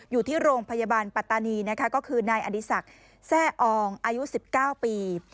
อยู่ที่โรงพยาบาลปัตตานีนะคะก็คือนายอดีศักดิ์แซ่อองอายุ๑๙ปี